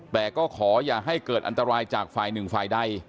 แต่ก็ขออย่าให้เกิดอันตรายจากฝ่ายหนึ่งฝ่ายใด